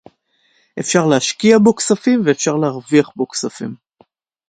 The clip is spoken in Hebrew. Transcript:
אפשר להשקיע בו כספים ואפשר להרוויח בו כספים